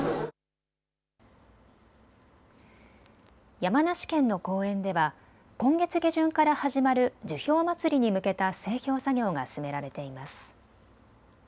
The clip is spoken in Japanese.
山梨県の公園では今月下旬から始まる樹氷まつりに向けた製氷作業が進められています。